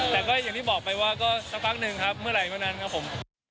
แต่ก็อย่างที่บอกไปว่าก็สักพักหนึ่งครับเมื่อไหร่เมื่อนั้นครับผม